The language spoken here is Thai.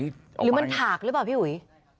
หรือมันถากหรือเปล่าพี่อุ๋ย